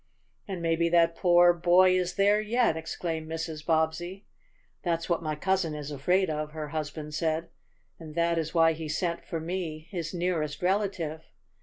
"And maybe that poor boy is there yet!" exclaimed Mrs. Bobbsey. "That's what my cousin is afraid of," her husband said. "And that is why he sent for me, his nearest relative.